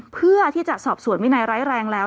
เพื่อที่จะสอบสวนวินัยร้ายแรงแล้ว